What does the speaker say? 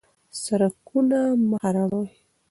سرکونه مه خرابوئ.